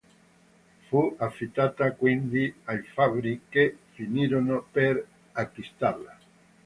Fu affittata quindi ai Fabbri, che finirono per acquistarla.